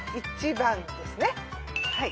はい。